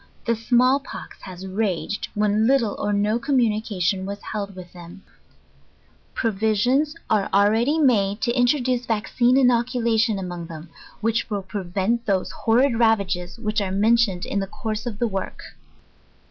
The small pox has raged, when lit'le or no communication was held with them. Provisions are already made to introduce vaccine inoccula a PREFACE. tion among thorn, which will prevent those horrid ravage* which arc mentioned in the course of the work.